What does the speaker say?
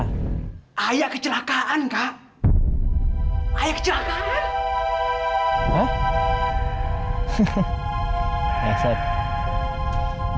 satria ya satra kak ayah ayah ayah ayah ayah kenapa ayah kecelakaan kak ayah kecelakaan